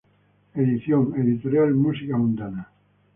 Edición: Editorial Música Mundana.